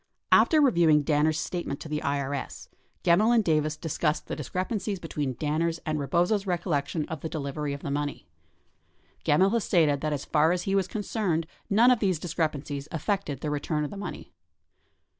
After reviewing Danner's statement to the IRS, Gemmill and Davis discussed the dis crepancies between Danner's and Rebozo's recollection of the delivery of the money. Gemmill has stated that as far as he was concerned, none of these discrepancies affected the return of the money.